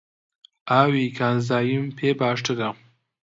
ئاوی کانزاییم پێ باشترە.